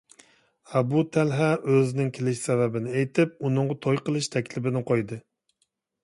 ئەبۇ تەلھە ئۆزىنىڭ كېلىش سەۋەبىنى ئېيتىپ، ئۇنىڭغا توي قىلىش تەكلىپىنى قويدى.